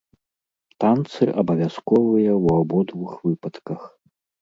Танцы абавязковыя ў абодвух выпадках.